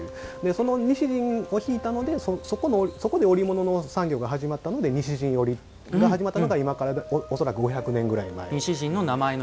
その西陣を引いたのでそこで織物の産業が始まったので西陣織が始まったのが今から、恐らく５００年ぐらい前。